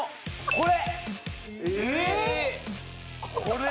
これ。